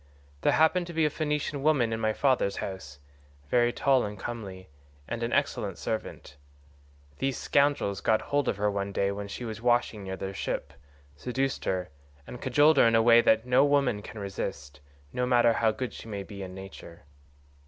There happened to be a Phoenician woman in my father's house, very tall and comely, and an excellent servant; these scoundrels got hold of her one day when she was washing near their ship, seduced her, and cajoled her in ways that no woman can resist, no matter how good she may be by nature.